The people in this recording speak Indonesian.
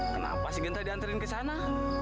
kenapa sih genta dianterin ke sana